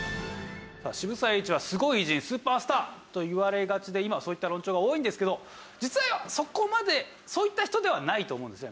渋沢栄一はすごい偉人スーパースターといわれがちで今はそういった論調が多いんですけど実はそこまでそういった人ではないと思うんですね。